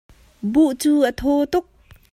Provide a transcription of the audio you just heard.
Buh cu a thaw tuk.